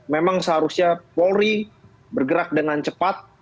memang seharusnya polri bergerak dengan cepat